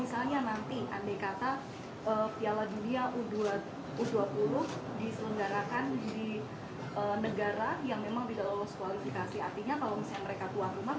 diselenggarakan di negara yang memang di dalam kualifikasi artinya kalau misalnya mereka tua rumah